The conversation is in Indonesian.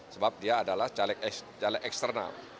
sebab dia adalah caleg eksternal